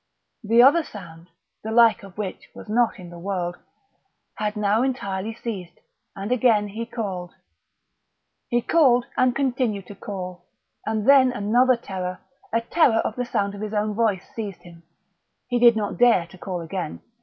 That other sound, the like of which was not in the world, had now entirely ceased; and again he called.... He called and continued to call; and then another terror, a terror of the sound of his own voice, seized him. He did not dare to call again.